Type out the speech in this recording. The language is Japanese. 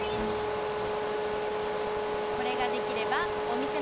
これができればお店も。